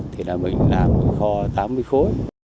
thì là mình làm kho tám mươi khối